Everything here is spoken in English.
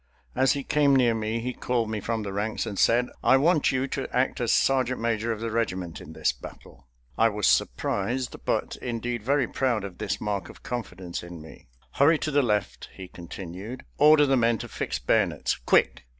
As he came near me he called me from the ranks and said: "I want you to act as sergeant major of the regiment in this battle." I was surprised, but indeed very proud of this mark of confidence in me. "Hurry to the left," he continued. "Order the men to fix bayonets quick!"